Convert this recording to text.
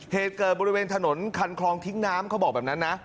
เหตุเกิดบริเวณถนนคันคลองทิ้งน้ำเขาบอกแบบนั้นนะ